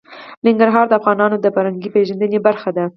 ننګرهار د افغانانو د فرهنګي پیژندنې برخه ده.